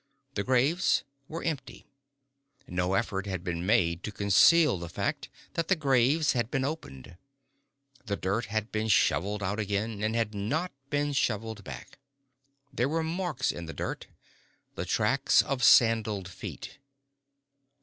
The graves were empty. No effort had been made to conceal the fact that the graves had been opened. The dirt had been shoveled out again and had not been shoveled back. There were marks in the dirt, the tracks of sandaled feet.